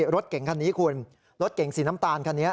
รถเก่งคันนี้คุณรถเก๋งสีน้ำตาลคันนี้